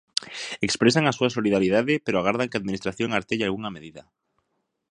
Expresan a súa solidariedade, pero agardan que a Administración artelle algunha medida.